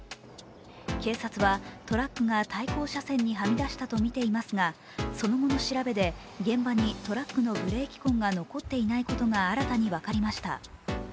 警察は、トラックが対向車線にはみ出したとみていますが、その後の調べで、現場にトラックのブレーキ痕が残っていないことが新たに分かりました。